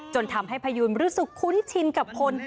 จนทำให้พยูนรู้สึกคุ้นชินกับคน